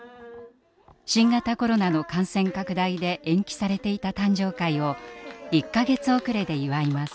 新型コロナの感染拡大で延期されていた誕生会を１か月遅れで祝います。